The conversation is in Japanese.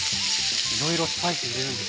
いろいろスパイス入れるんですね。